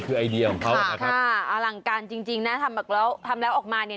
คือไอเดียของเขานะครับอ่าอลังการจริงจริงนะทำแล้วทำแล้วออกมาเนี่ย